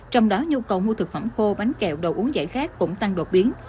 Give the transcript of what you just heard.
trong đó nhu cầu mua thực phẩm khô bánh kẹo đồ uống giải khác cũng tăng đột biến